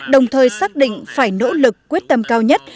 đồng thời xác định phải nỗ lực quyết tâm cao nhất